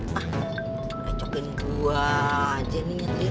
mah kecokin dua aja nih nyetir